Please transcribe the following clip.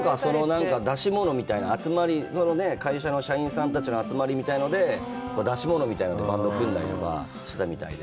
何か出し物みたいな、集まり、会社の社員さんたちの集まりみたいなので出し物みたいな、バンドを組んでたりしてたみたいで。